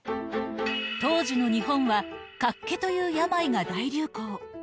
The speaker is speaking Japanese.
当時の日本は、脚気という病が大流行。